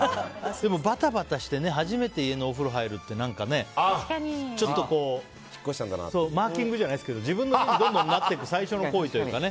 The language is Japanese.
でもバタバタして初めて家のお風呂入るってちょっとマーキングじゃないですけど自分の家にどんどんなっていく最初の行為というかね。